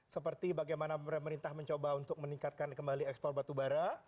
seperti bagaimana pemerintah mencoba untuk meningkatkan kembali ekspor batubara